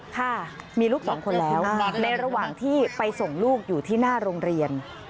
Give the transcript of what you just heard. ค่ะมีลูกสองคนแล้วในระหว่างที่ไปส่งลูกอยู่ที่หน้าโรงเรียน